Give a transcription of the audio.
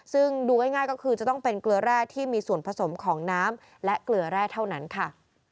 ซึ่งดูง่ายก็คือจะต้องเป็นเกลือแร่ที่มีส่วนผสมของน้ำและเกลือแร่เท่านั้นค่ะ